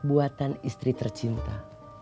buatan istri tercinta